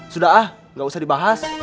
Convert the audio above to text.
sudah ah gak usah dibahas